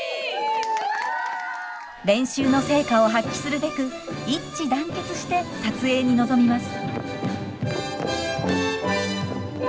練習の成果を発揮するべく一致団結して撮影に臨みます。